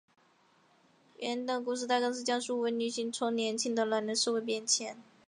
原定的故事大纲是讲述五位女性从年青到老年的社会变迁。